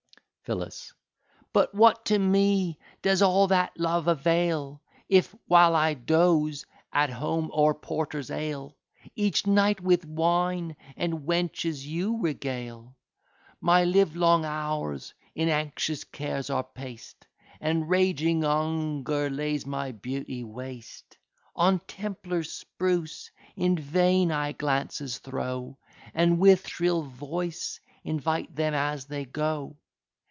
PHILLIS But what to me does all that love avail, If, while I doze at home o'er porter's ale, Each night with wine and wenches you regale? My livelong hours in anxious cares are past, And raging hunger lays my beauty waste. On templars spruce in vain I glances throw, And with shrill voice invite them as they go.